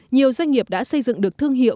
nhiều doanh nghiệp đã xây dựng được thương hiệu